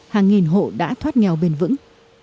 hàng nghìn hộ đã thoát nghèo bền vững